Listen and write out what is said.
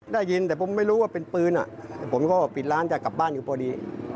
ได้ยินแต่ผมไม่รู้ว่าเป็นปืนผมก็ปิดร้านจะกลับบ้านอยู่พอดี